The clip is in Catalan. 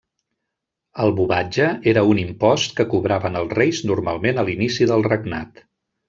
El bovatge era un impost que cobraven els reis normalment a l'inici del regnat.